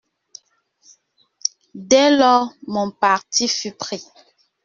Dès lors, mon parti fut pris.